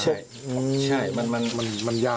คุมตัวเองไม่ได้มันยา